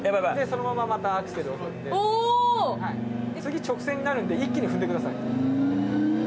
そのまままたアクセルを踏んで、次、直線になるんで一気に踏んでください。